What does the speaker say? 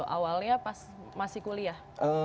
awalnya pas masih kuliah